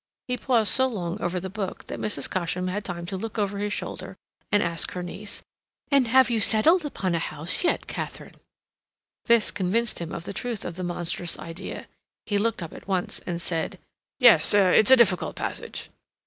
He paused so long over the book that Mrs. Cosham had time to look over his shoulder and ask her niece: "And have you settled upon a house yet, Katharine?" This convinced him of the truth of the monstrous idea. He looked up at once and said: "Yes, it's a difficult passage."